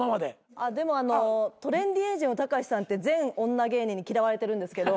でもトレンディエンジェルのたかしさんって全女芸人に嫌われてるんですけど。